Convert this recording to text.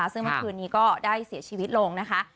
ซึ่งเมื่อคืนนี้ก็ได้เสียชีวิตลงนะคะ